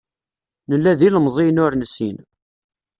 Nella d ilemẓiyen ur nessin.